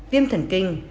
viêm thần kinh